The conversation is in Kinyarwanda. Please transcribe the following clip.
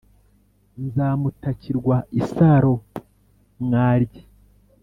Nzamutakirwa isaro mwaryi